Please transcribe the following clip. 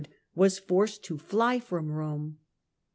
was forced to fly from Eome.